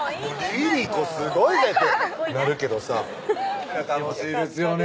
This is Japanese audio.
Ｒｉｒｉｃｏすごいぜってなるけどさ楽しいですよね